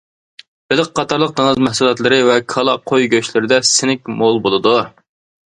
بېلىق قاتارلىق دېڭىز مەھسۇلاتلىرى ۋە كالا، قوي گۆشلىرىدە سىنك مول بولىدۇ.